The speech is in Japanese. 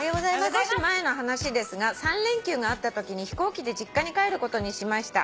少し前の話ですが三連休があったときに飛行機で実家に帰ることにしました」